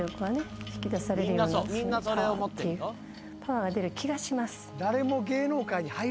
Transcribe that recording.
パワーが出る気がします。